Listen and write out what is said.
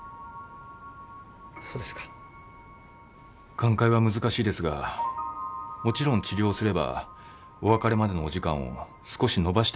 寛解は難しいですがもちろん治療をすればお別れまでのお時間を少しのばしてあげることができます。